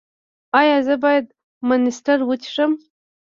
ایا زه باید مانسټر وڅښم؟